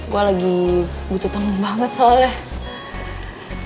gue lagi butuh teman banget soalnya